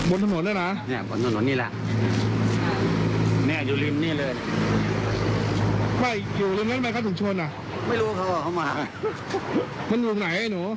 อาหารหลังอยู่โทรมนั้นเนี่ย